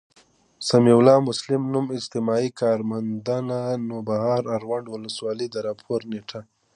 سمیع الله مسلم، نـــوم، اجتماعي کارمنددنــده، نوبهار، اړونــد ولسـوالـۍ، د راپــور نیــټه